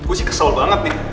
gue sih kesel banget nih